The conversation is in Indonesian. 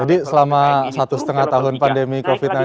jadi selama satu setengah tahun pandemi covid sembilan belas ini